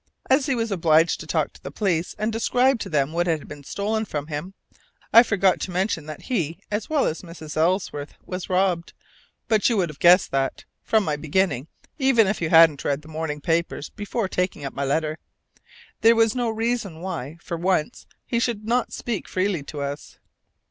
As he was obliged to talk to the police, and describe to them what had been stolen from him (I forgot to mention that he as well as Mrs. Ellsworth was robbed, but you would have guessed that, from my beginning, even if you haven't read the morning papers before taking up my letter), there was no reason why, for once, he should not speak freely to us.